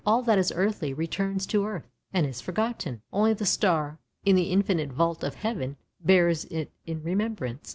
All that is earthly returns to earth, and is forgotten; only the star in the infinite vault of heaven bears it in remembrance.